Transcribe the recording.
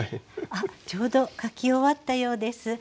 あっちょうど書き終わったようです。